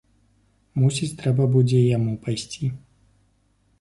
Мусіць, трэба будзе і яму пайсці.